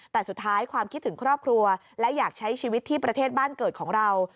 แต่สุดท้ายความคิดถึงครอบครัวและอยากใช้ชีวิตที่ประเทศบ้านเกิดของเรา